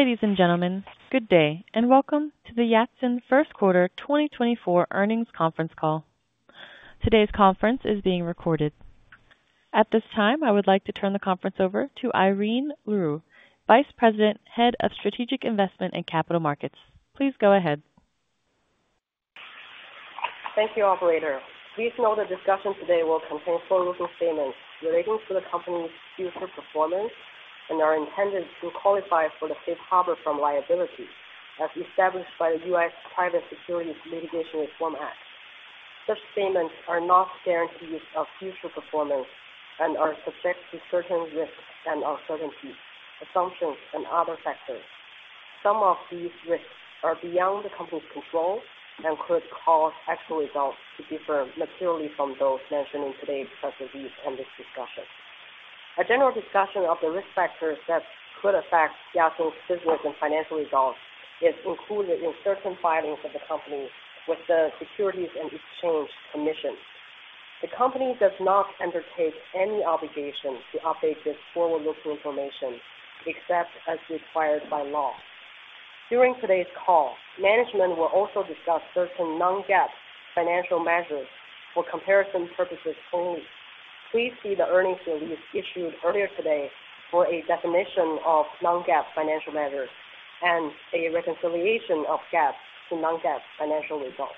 Ladies and gentlemen, good day, and welcome to the Yatsen First Quarter 2024 Earnings Conference Call. Today's conference is being recorded. At this time, I would like to turn the conference over to Irene Lyu, Vice President, Head of Strategic Investment and Capital Markets. Please go ahead. Thank you, operator. Please note the discussion today will contain forward-looking statements relating to the company's future performance and are intended to qualify for the safe harbor from liability, as established by the US Private Securities Litigation Reform Act. Such statements are not guarantees of future performance and are subject to certain risks and uncertainties, assumptions, and other factors. Some of these risks are beyond the company's control and could cause actual results to differ materially from those mentioned in today's press release and this discussion. A general discussion of the risk factors that could affect Yatsen's business and financial results is included in certain filings of the company with the Securities and Exchange Commission. The company does not undertake any obligation to update this forward-looking information, except as required by law. During today's call, management will also discuss certain non-GAAP financial measures for comparison purposes only. Please see the earnings release issued earlier today for a definition of non-GAAP financial measures and a reconciliation of GAAP to non-GAAP financial results.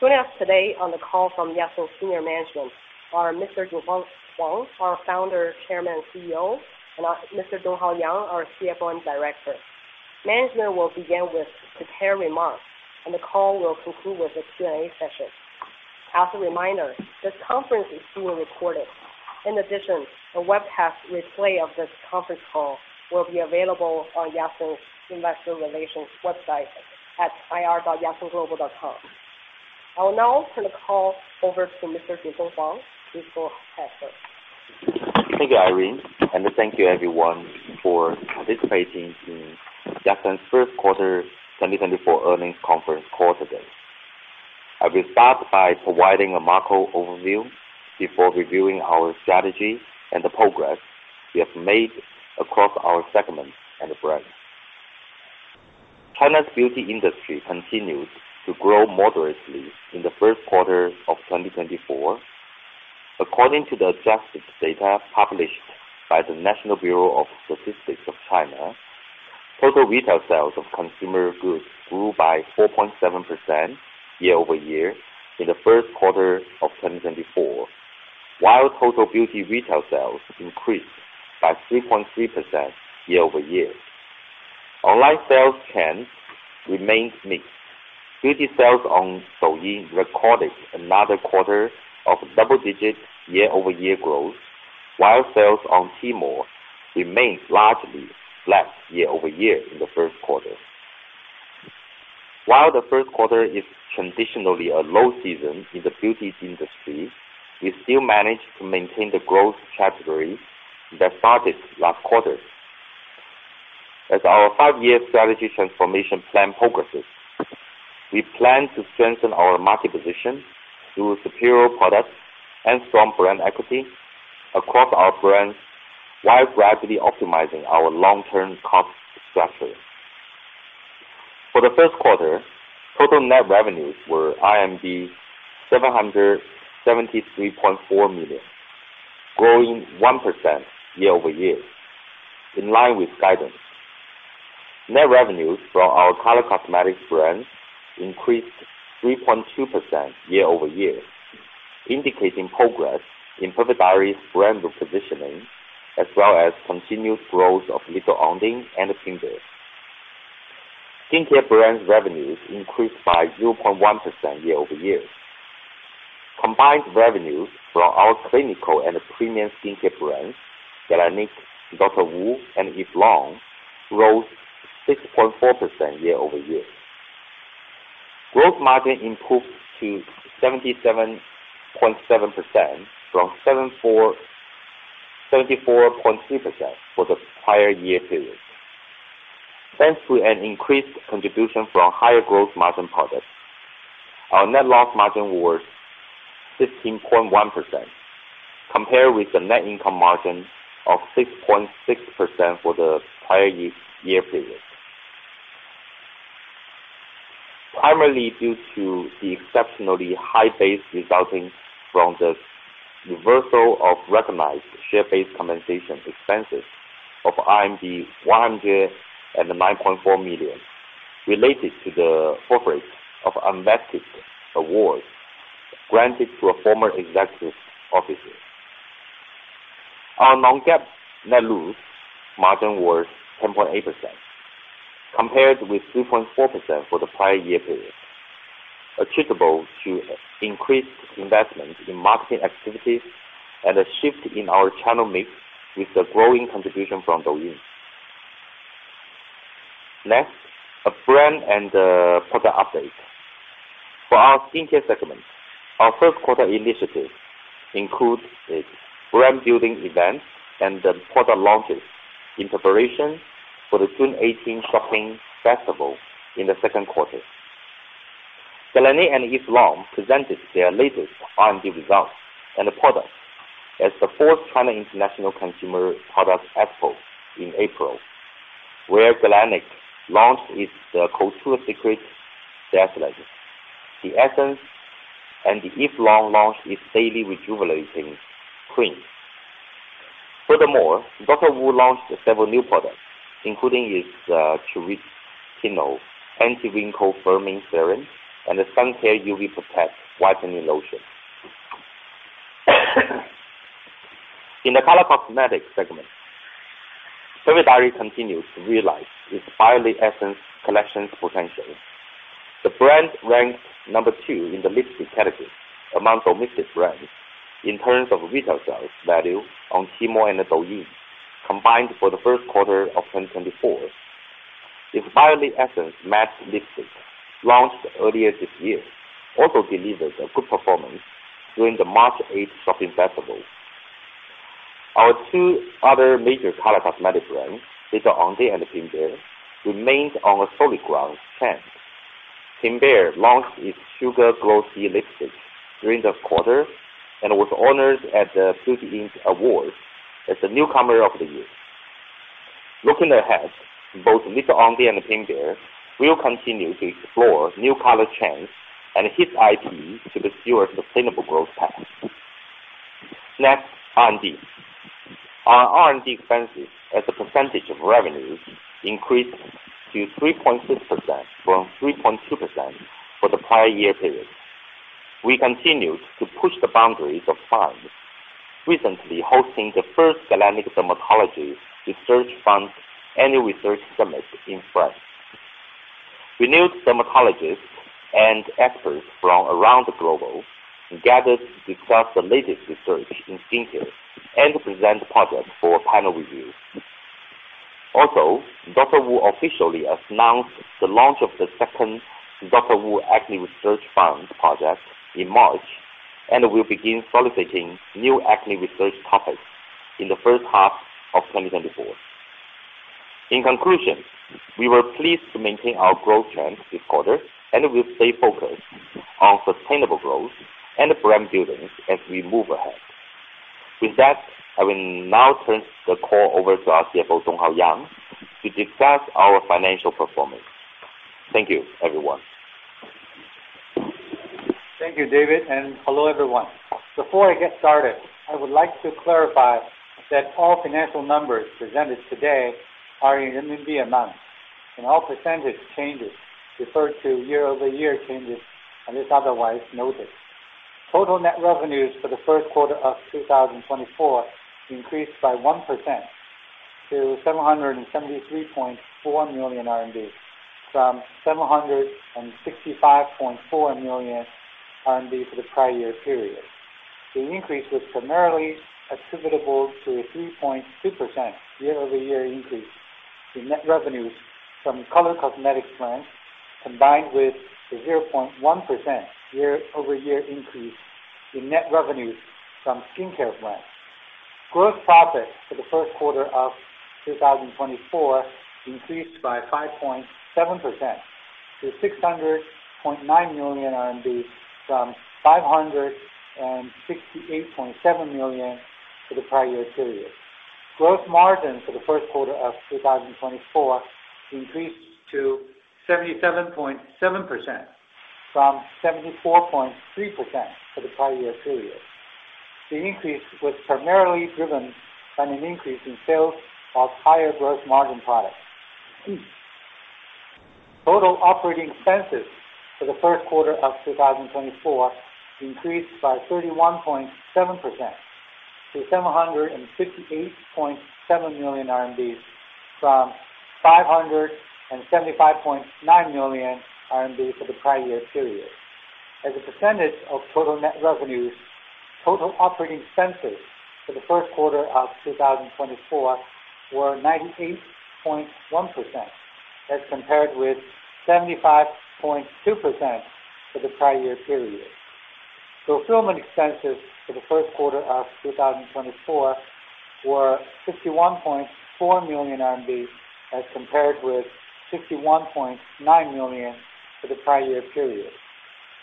Joining us today on the call from Yatsen's Senior Management are Mr. Jinfeng Huang, our Founder, Chairman, and CEO, and Mr. Donghao Yang, our CFO and Director. Management will begin with prepared remarks, and the call will conclude with a Q&A session. As a reminder, this conference is being recorded. In addition, a webcast replay of this conference call will be available on Yatsen's Investor Relations website at ir.yatsenglobal.com. I will now turn the call over to Mr. Jinfeng Huang, please go ahead, sir. Thank you, Irene, and thank you everyone for participating in Yatsen's first quarter 2024 earnings conference call today. I will start by providing a macro overview before reviewing our strategy and the progress we have made across our segments and brands. China's beauty industry continues to grow moderately in the first quarter of 2024. According to the adjusted data published by the National Bureau of Statistics of China, total retail sales of consumer goods grew by 4.7% year-over-year in the first quarter of 2024, while total beauty retail sales increased by 3.3% year-over-year. Online sales trends remain mixed. Beauty sales on Douyin recorded another quarter of double-digit year-over-year growth, while sales on Tmall remained largely flat year-over-year in the first quarter. While the first quarter is traditionally a low season in the beauty industry, we still managed to maintain the growth trajectory that started last quarter. As our five-year strategy transformation plan progresses, we plan to strengthen our market position through superior products and strong brand equity across our brands, while gradually optimizing our long-term cost structure. For the first quarter, total net revenues were 773.4 million, growing 1% year-over-year, in line with guidance. Net revenues from our color cosmetics brands increased 3.2% year-over-year, indicating progress in Perfect Diary's brand repositioning, as well as continued growth of Little Ondine and Pink Bear. Skincare brands revenues increased by 0.1% year-over-year. Combined revenues from our clinical and premium skincare brands, Galénic, DR.WU, and Eve Lom, rose 6.4% year-over-year. Gross margin improved to 77.7% from 74.3% for the prior year period. Thanks to an increased contribution from higher gross margin products, our net loss margin was 15.1%, compared with the net income margin of 6.6% for the prior year period. Primarily due to the exceptionally high base resulting from the reversal of recognized share-based compensation expenses of RMB 109.4 million, related to the forfeiture of unvested awards granted to a former executive officer. Our non-GAAP net loss margin was 10.8%, compared with 3.4% for the prior year period, attributable to increased investment in marketing activities and a shift in our channel mix with the growing contribution from Douyin. Next, a brand and product update. For our skincare segment, our first quarter initiatives include a brand building event and the product launches in preparation for the June 18 shopping festival in the second quarter. Galénic and Eve Lom presented their latest R&D results and products at the fourth China International Consumer Products Expo in April, where Galénic launched its Couture Secret Lipstick, the essence, and Eve Lom launched its Daily Rejuvenating Cream. Furthermore, DR.WU launched several new products, including its Tripeptinoid Anti-Wrinkle Firming Serum and the sun care UV Protect Whitening Lotion. In the color cosmetics segment, Perfect Diary continues to realize its Biolip Essence collection's potential. The brand ranked number 2 in the lipstick category among domestic brands in terms of retail sales value on Tmall and Douyin, combined for the first quarter of 2024. Its Biolip Essence matte lipstick, launched earlier this year, also delivered a good performance during the March 8th Shopping Festival. Our two other major color cosmetic brands, Little Ondine and Pink Bear, remained on a solid growth trend. Pink Bear launched its Sugar Glossy Lipstick during the quarter and was honored at the Beauty Inc. Awards as the newcomer of the year. Looking ahead, both Little Ondine and Pink Bear will continue to explore new color trends and hit IP to secure sustainable growth path. Next, R&D. Our R&D expenses as a percentage of revenues increased to 3.6% from 3.2% for the prior year period. We continued to push the boundaries of science, recently hosting the first Galénic Dermatology Research Fund annual research summit in France. Renowned dermatologists and experts from around the globe gathered to discuss the latest research in skincare and present projects for panel review. Also, DR.WU officially announced the launch of the second DR.WU Acne Research Fund project in March, and will begin soliciting new acne research topics in the first half of 2024. In conclusion, we were pleased to maintain our growth trend this quarter and will stay focused on sustainable growth and brand building as we move ahead. With that, I will now turn the call over to our CFO, Donghao Yang, to discuss our financial performance. Thank you, everyone. Thank you, David, and hello, everyone. Before I get started, I would like to clarify that all financial numbers presented today are in CNY amounts, and all percentage changes refer to year-over-year changes, unless otherwise noted. Total net revenues for the first quarter of 2024 increased by 1% to 773.4 million RMB, from 765.4 million RMB for the prior year period. The increase was primarily attributable to a 3.2% year-over-year increase in net revenues from color cosmetics brands, combined with a 0.1% year-over-year increase in net revenues from skincare brands. Gross profit for the first quarter of 2024 increased by 5.7% to 600.9 million RMB from 568.7 million for the prior year period. Gross margin for the first quarter of 2024 increased to 77.7% from 74.3% for the prior year period. The increase was primarily driven by an increase in sales of higher gross margin products. Total operating expenses for the first quarter of 2024 increased by 31.7% to 768.7 million RMB, from 575.9 million RMB for the prior year period. As a percentage of total net revenues, total operating expenses for the first quarter of 2024 were 98.1%, as compared with 75.2% for the prior year period. Fulfillment expenses for the first quarter of 2024 were 61.4 million RMB, as compared with 61.9 million for the prior year period.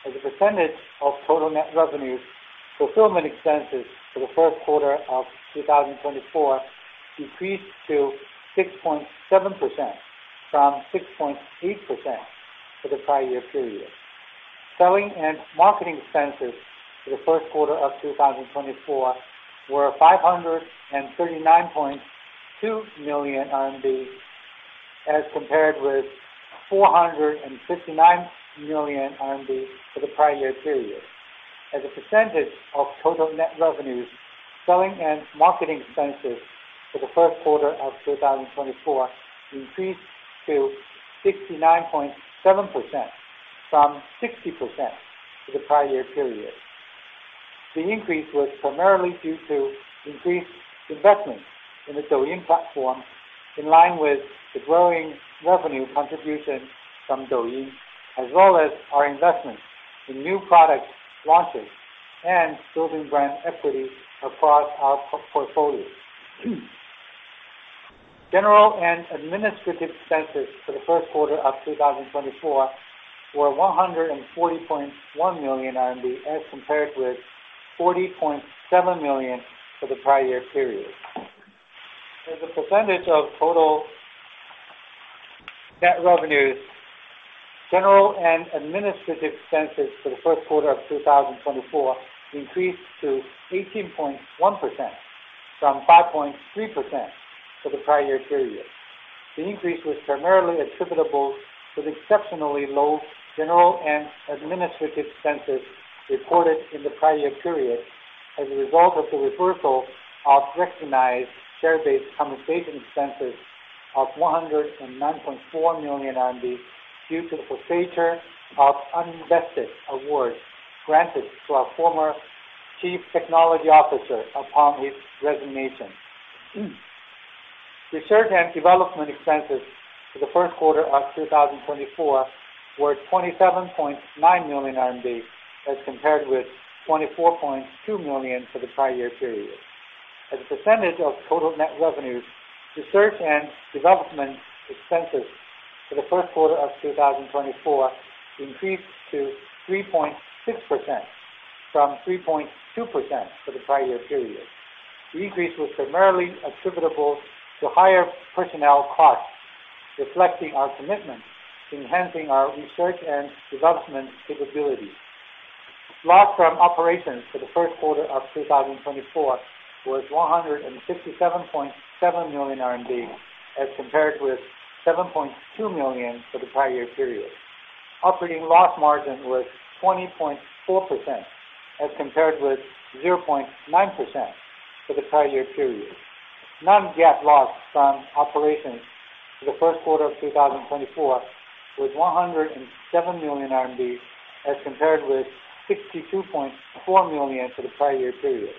As a percentage of total net revenues, fulfillment expenses for the first quarter of 2024 decreased to 6.7% from 6.8% for the prior year period. Selling and marketing expenses for the first quarter of 2024 were 539.2 million RMB, as compared with 459 million RMB for the prior year period. As a percentage of total net revenues, selling and marketing expenses for the first quarter of 2024 increased to 69.7% from 60% for the prior year period. The increase was primarily due to increased investment in the Douyin platform, in line with the growing revenue contribution from Douyin, as well as our investment in new product launches and building brand equity across our portfolio. ...General and administrative expenses for the first quarter of 2024 were 140.1 million RMB, as compared with 40.7 million for the prior year period. As a percentage of total net revenues, general and administrative expenses for the first quarter of 2024 increased to 18.1% from 5.3% for the prior year period. The increase was primarily attributable to the exceptionally low general and administrative expenses reported in the prior year period as a result of the reversal of recognized share-based compensation expenses of 109.4 million RMB due to the forfeiture of unvested awards granted to our former Chief Technology Officer upon his resignation. Research and development expenses for the first quarter of 2024 were 27.9 million RMB, as compared with 24.2 million for the prior year period. As a percentage of total net revenues, research and development expenses for the first quarter of 2024 increased to 3.6% from 3.2% for the prior year period. The increase was primarily attributable to higher personnel costs, reflecting our commitment to enhancing our research and development capabilities. Loss from operations for the first quarter of 2024 was 167.7 million RMB, as compared with 7.2 million for the prior year period. Operating loss margin was 20.4%, as compared with 0.9% for the prior year period. Non-GAAP loss from operations for the first quarter of 2024 was 107 million RMB, as compared with 62.4 million for the prior year period.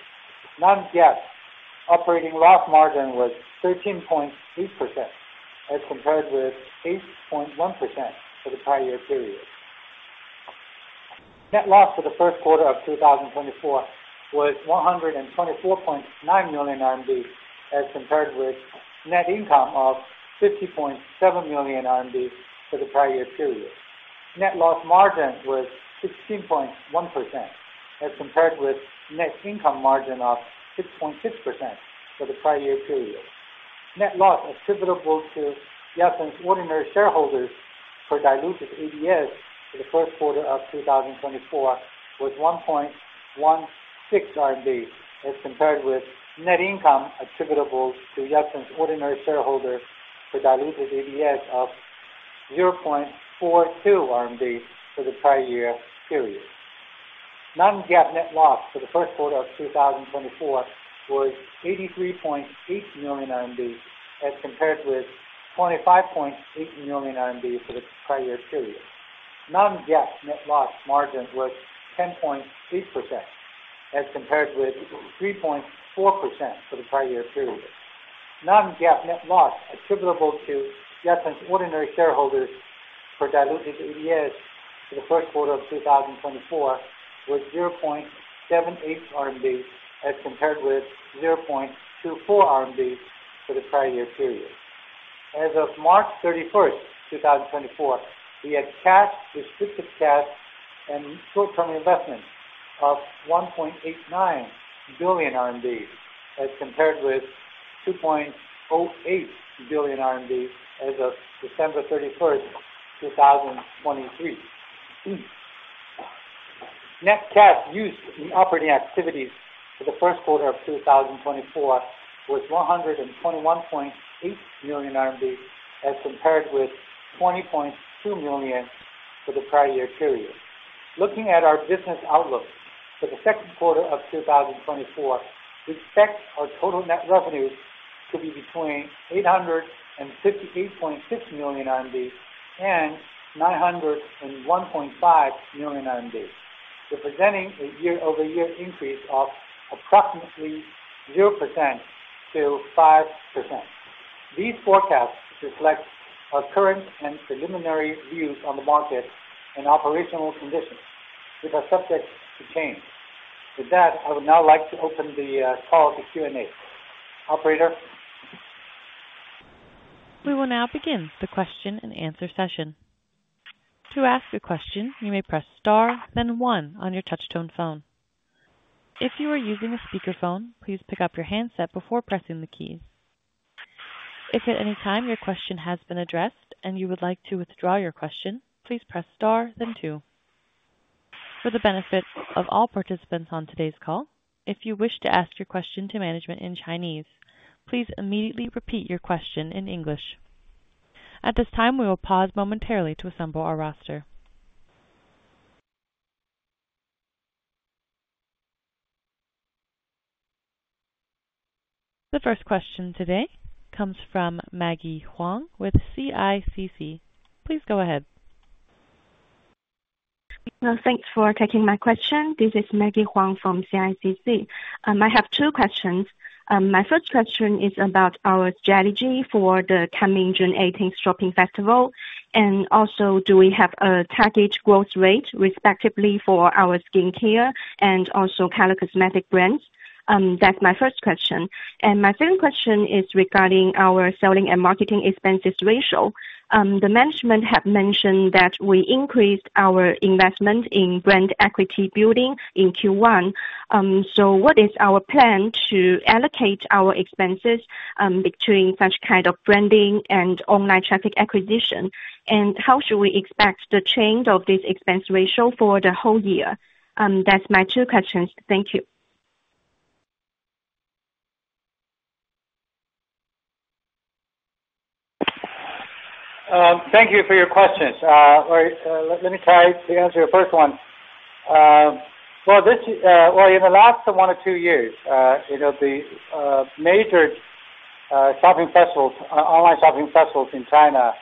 Non-GAAP operating loss margin was 13.8%, as compared with 8.1% for the prior year period. Net loss for the first quarter of 2024 was 124.9 million RMB, as compared with net income of 50.7 million RMB for the prior year period. Net loss margin was 16.1%, as compared with net income margin of 6.6% for the prior year period. Net loss attributable to Yatsen's ordinary shareholders for diluted ADS for the first quarter of 2024 was 1.16 RMB, as compared with net income attributable to Yatsen's ordinary shareholders for diluted ADS of 0.42 RMB for the prior year period. Non-GAAP net loss for the first quarter of 2024 was 83.8 million RMB, as compared with 25.8 million RMB for the prior year period. Non-GAAP net loss margin was 10.8%, as compared with 3.4% for the prior year period. Non-GAAP net loss attributable to Yatsen's ordinary shareholders for diluted ADS for the first quarter of 2024 was 0.78 RMB, as compared with 0.24 RMB for the prior year period. As of March 31, 2024, we had cash, restricted cash, and short-term investments of 1.89 billion RMB, as compared with 2.08 billion RMB as of December 31, 2023. Net cash used in operating activities for the first quarter of 2024 was 121.8 million RMB, as compared with 20.2 million for the prior year period. Looking at our business outlook for the second quarter of 2024, we expect our total net revenues to be between 858.6 million RMB and 901.5 million RMB, representing a year-over-year increase of approximately 0%-5%. These forecasts reflect our current and preliminary views on the market and operational conditions, which are subject to change. With that, I would now like to open the call to Q&A. Operator? We will now begin the question-and-answer session. To ask a question, you may press star then one on your touchtone phone. If you are using a speakerphone, please pick up your handset before pressing the key. If at any time your question has been addressed and you would like to withdraw your question, please press star then two. For the benefit of all participants on today's call, if you wish to ask your question to management in Chinese, please immediately repeat your question in English. At this time, we will pause momentarily to assemble our roster. The first question today comes from Maggie Huang with CICC. Please go ahead. Well, thanks for taking my question. This is Maggie Huang from CICC. I have two questions. My first question is about our strategy for the coming 618 Shopping Festival, and also, do we have a target growth rate, respectively, for our skincare and also color cosmetic brands? That's my first question. My second question is regarding our selling and marketing expenses ratio. The management have mentioned that we increased our investment in brand equity building in Q1. What is our plan to allocate our expenses, between such kind of branding and online traffic acquisition? And how should we expect the change of this expense ratio for the whole year? That's my two questions. Thank you. Thank you for your questions. Let me try to answer your first one. In the last one or two years, you know, the major shopping festivals, online shopping festivals in China,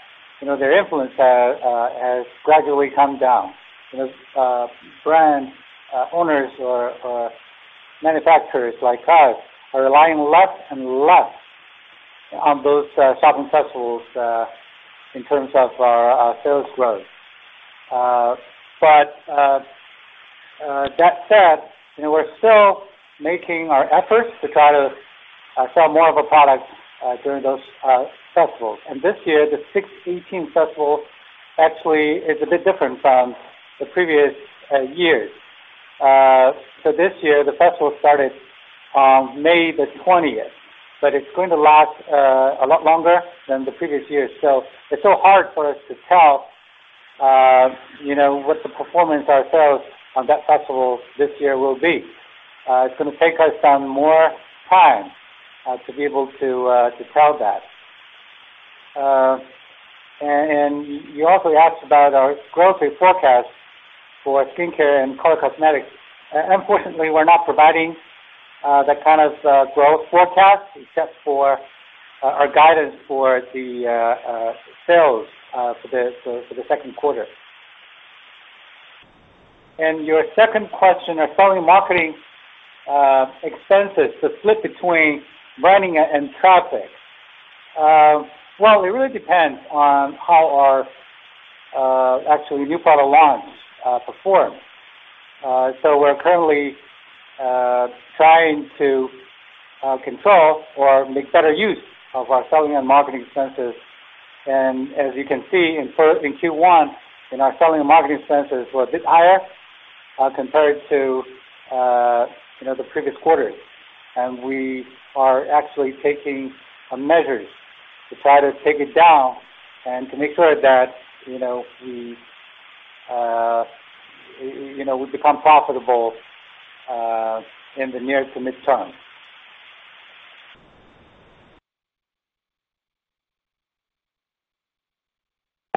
you know, their influence has gradually come down. You know, brand owners or manufacturers like us are relying less and less on those shopping festivals in terms of our sales growth. But that said, you know, we're still making our efforts to try to sell more of a product during those festivals. And this year, the 618 festival actually is a bit different from the previous years. So this year, the festival started on May 20, but it's going to last a lot longer than the previous years. So it's so hard for us to tell, you know, what the performance ourselves on that festival this year will be. It's gonna take us some more time to be able to tell that. And you also asked about our growth rate forecast for skincare and color cosmetics. Unfortunately, we're not providing that kind of growth forecast, except for our guidance for the sales for the second quarter. And your second question of selling marketing expenses, the split between branding and traffic. Well, it really depends on how our actually new product launch performs. So we're currently trying to control or make better use of our selling and marketing expenses. And as you can see in Q1, our selling and marketing expenses were a bit higher compared to, you know, the previous quarters. And we are actually taking measures to try to take it down and to make sure that, you know, we become profitable in the near to midterm.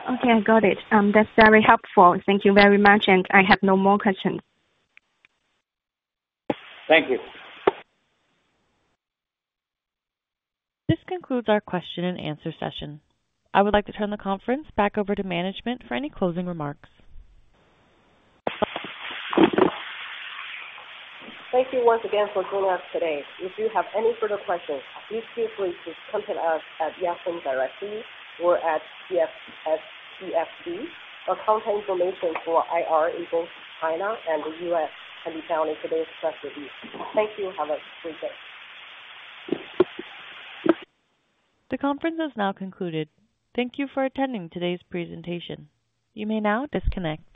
Okay, I got it. That's very helpful. Thank you very much, and I have no more questions. Thank you. This concludes our question and answer session. I would like to turn the conference back over to management for any closing remarks. Thank you once again for joining us today. If you have any further questions, please feel free to contact us at Yatsen directly or at CICC. Our contact information for IR in both China and the U.S. can be found in today's press release. Thank you. Have a great day. The conference is now concluded. Thank you for attending today's presentation. You may now disconnect.